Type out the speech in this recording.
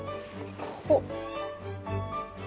ほっ。